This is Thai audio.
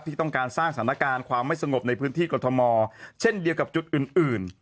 ที่ต้องการสร้างสถานการณ์ความไม่สงบในพื้นที่กรทมเช่นเดียวกับจุดอื่น